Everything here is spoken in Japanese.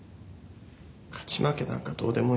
勝ち負けなんかどうでもいい。